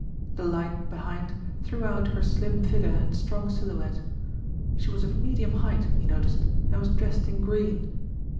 The light behind threw out her slim figure in strong silhouette. She was of medium height, he noticed, and was dressed in green.